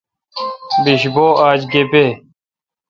بیش بو آج گپے°۔